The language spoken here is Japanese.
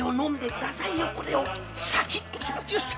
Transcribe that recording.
シャキッとしますよ！